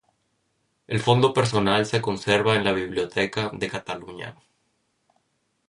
El fondo personal se conserva en la Biblioteca de Catalunya.